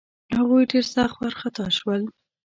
هغوی ډېر سخت وارخطا شول.